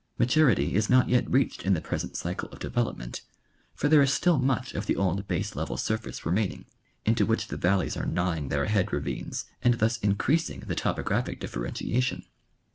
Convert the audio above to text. Maturity is not yet reached in the present cycle of develojDment, for there is still much of the old base level surface remaining, into which the valleys are gnawing their head ravines and thus increasing the topographic differentiation.